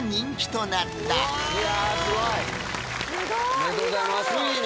おめでとうございますついに！